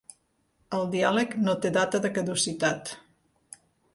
El diàleg no té data de caducitat.